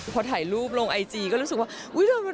พอถ่ายรูปลงไอจีก็รู้สึกว่าอุ๊ย